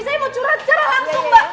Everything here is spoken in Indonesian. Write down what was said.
saya mau curhat secara langsung pak